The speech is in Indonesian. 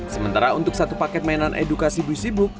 sementara untuk satu paket mainan edukasi busibuk